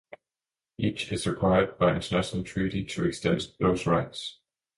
Each is required by international treaty to extend those rights.